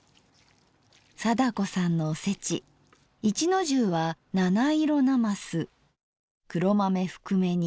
貞子さんのおせち一の重は七色なます黒豆ふくめ煮